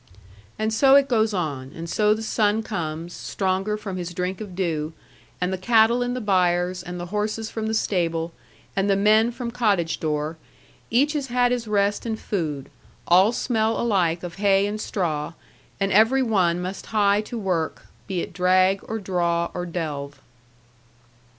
And so it goes on; and so the sun comes, stronger from his drink of dew; and the cattle in the byres, and the horses from the stable, and the men from cottage door, each has had his rest and food, all smell alike of hay and straw, and every one must hie to work, be it drag, or draw, or delve.